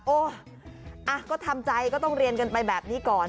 โอ้ก็ทำใจก็ต้องเรียนกันไปแบบนี้ก่อน